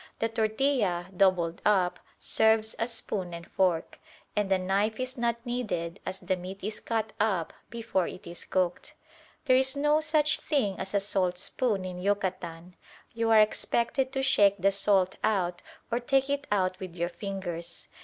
The tortilla, doubled up, serves as spoon and fork, and a knife is not needed as the meat is cut up before it is cooked. There is no such thing as a saltspoon in Yucatan. You are expected to shake the salt out or take it out with your fingers.